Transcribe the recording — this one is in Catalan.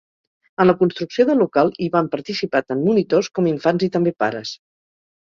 En la construcció del local hi van participar tant monitors, com infants i també pares.